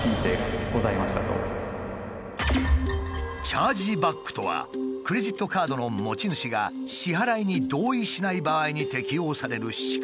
「チャージバック」とはクレジットカードの持ち主が支払いに同意しない場合に適用される仕組み。